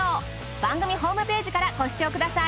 番組ホームページからご視聴ください。